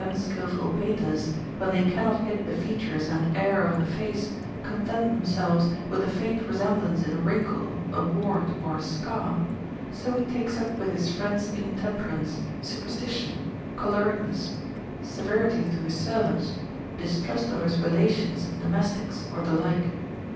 ] 1 1 skilful painters, when they cannot hit the features and air of a face, content themselves with the faint resemblance in a wrinkle, a wart, or a scar, so he takes up with his friend's intemperance, superstition, cholericness, severity to his ser vants, distrust of his relations and domestics or the like.